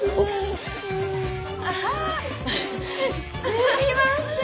すみません。